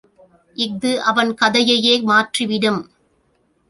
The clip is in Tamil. இஃது அவன் கதையையே மாற்றிவிடும்.